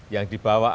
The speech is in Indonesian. yang dibawa apa